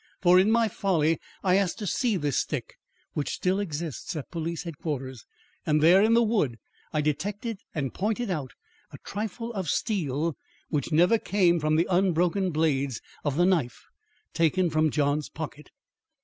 For in my folly I asked to see this stick which still exists at Police Headquarters, and there in the wood I detected and pointed out a trifle of steel which never came from the unbroken blades of the knife taken from John's pocket."